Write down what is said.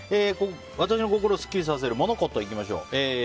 私の心をスッキリさせるモノ・コトいきましょう。